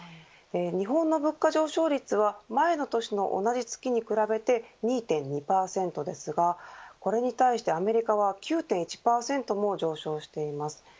日本の物価上昇率は前の年の同じ月に比べて２．２％ですがこれに対してアメリカは９．１％も上昇しています。